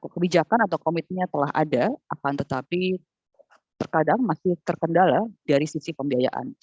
kebijakan atau komitmennya telah ada akan tetapi terkadang masih terkendala dari sisi pembiayaan